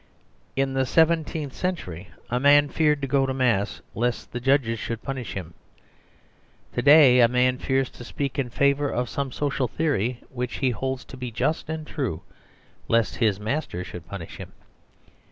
In the seventeenth century a man feared to go to Mass lest the judges should punish him. To day a, man fears to speak in favour of some social theory which he holds to be just and true lest his master should punish him.